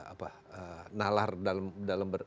apa nalar dalam